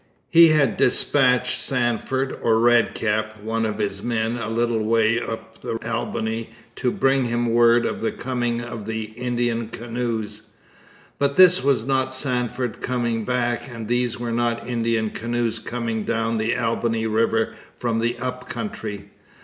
He had dispatched Sandford or 'Red Cap,' one of his men, a little way up the Albany to bring him word of the coming of the Indian canoes; but this was not Sandford coming back, and these were not Indian canoes coming down the Albany river from the Up Country.